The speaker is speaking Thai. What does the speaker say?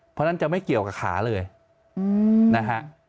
เพราะฉะนั้นจะไม่เกี่ยวกับขาเลยนะฮะ